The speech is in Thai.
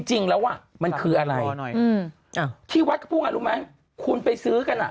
จริงแล้วอ่ะมันคืออะไรที่วัดเขาพูดไงรู้ไหมคุณไปซื้อกันอ่ะ